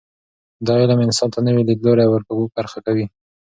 دا علم انسان ته نوي لیدلوري ور په برخه کوي.